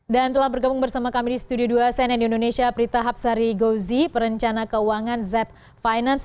dan telah bergabung bersama kami di studio dua saya nenya indonesia prita hapsari gozi perencana keuangan zep finance